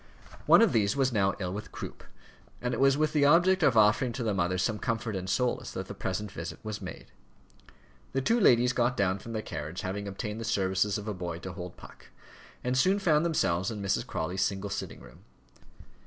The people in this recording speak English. One of these was now ill with croup, and it was with the object of offering to the mother some comfort and solace, that the present visit was made. The two ladies got down from their carriage, having obtained the services of a boy to hold Puck, and soon found themselves in Mrs. Crawley's single sitting room.